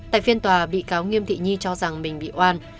tại phiên tòa bị cáo nghiêm thị nhi cho rằng mình bị oan